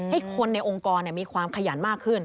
ให้คนในองค์กรมีความขยันมากขึ้น